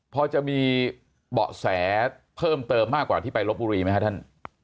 พอจะมีเบาะแสเพิ่มเติมมากกว่าที่ไปลบบุรีไหมครับท่าน